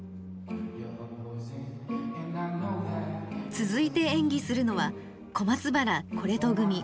続いて演技するのは小松原コレト組。